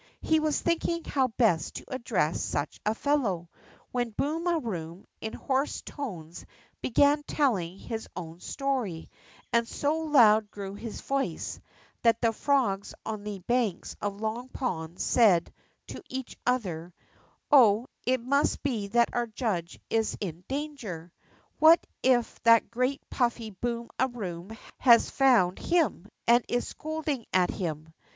He was thinking how best to address such a fellow, when Boom a Room, in hoarse tones, began telling his own story, and so loud grew his voice that the frogs on the banks of Long Pond said to each other : Oh, it must be that our judge is in danger ! What if that great puffy Boom a Room has found him, and is scolding at him